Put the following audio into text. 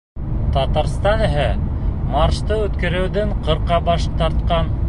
Татарстан иһә маршты үткәреүҙән ҡырҡа баш тартҡан.